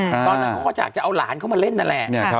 ตอนนั้นเขาก็อยากจะเอาหลานเข้ามาเล่นนั่นแหละ